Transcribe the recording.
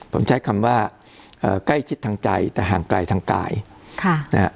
ผมใช้คำว่าเอ่อใกล้ชิดทางใจแต่ห่างไกลทางกายค่ะนะฮะ